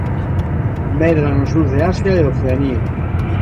Medra no sur de Asia e Oceanía.